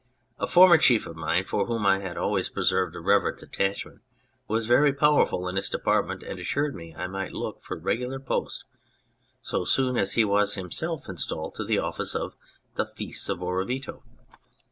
A former chief of mine, for whom I had always preserved a reverent attachment, was very powerful in this department, and assured me that I might look for a regular post so soon as he was himself installed in the office of the Fisc at Orvieto.